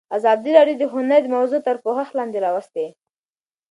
ازادي راډیو د هنر موضوع تر پوښښ لاندې راوستې.